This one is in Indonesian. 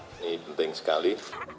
ini penting sekali